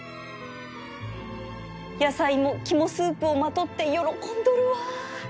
野菜も肝スープをまとって喜んどるわ